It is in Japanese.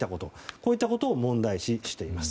こういったことを問題視しています。